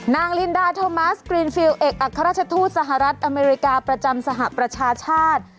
ลินดาโทมัสกรีนฟิลเอกอัครราชทูตสหรัฐอเมริกาประจำสหประชาชาติ